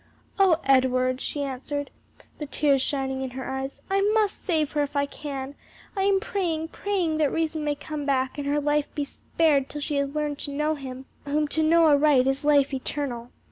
"O Edward," she answered, the tears shining in her eyes, "I must save her if I can. I am praying, praying that reason may come back and her life be spared till she has learned to know him, whom to know aright is life eternal."